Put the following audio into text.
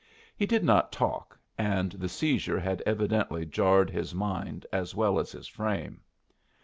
He did not talk, and the seizure had evidently jarred his mind as well as his frame.